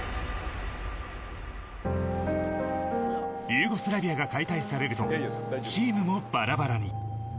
ユーゴスラビアが解体されるとチームもバラバラに。